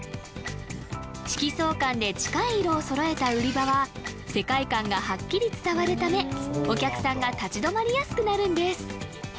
色相環で近い色を揃えた売り場は世界観がはっきり伝わるためお客さんが立ち止まりやすくなるんです